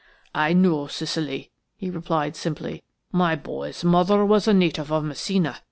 "I know Sicily," he replied simply. "My boy's mother was a native of Messina.